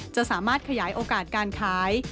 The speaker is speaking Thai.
จะสามารถขยายโอกาสการขาย